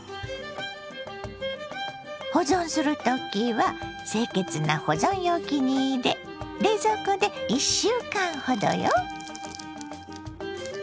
保存する時は清潔な保存容器に入れ冷蔵庫で１週間ほどよ。